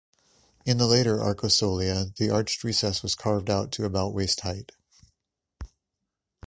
In the later arcosolia, the arched recess was carved out to about waist height.